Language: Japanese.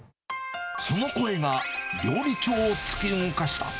その声が料理長を突き動かした。